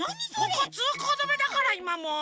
ここつうこうどめだからいまもう。